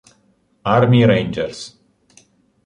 Army Rangers